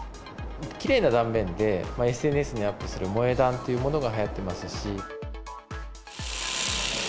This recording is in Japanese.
きれいな断面で、ＳＮＳにアップする萌え断というものがはやってますし。